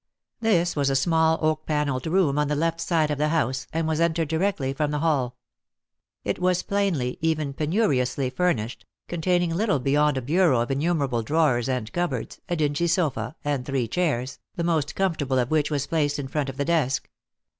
This was a small oak panelled room on the left side of the house, and was entered directly from the hall. It was plainly, even penuriously, furnished, containing little beyond a bureau of innumerable drawers and cupboards, a dingy sofa, and three chairs, the most comfortable of which was placed in front of the desk.